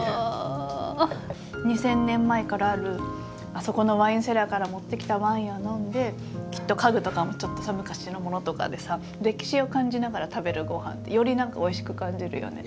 ２，０００年前からあるあそこのワインセラーから持ってきたワインを飲んできっと家具とかもちょっとさ昔のものとかでさ歴史を感じながら食べるごはんってより何かおいしく感じるよね。